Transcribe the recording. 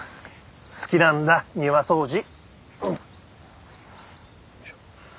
好きなんだ庭掃除。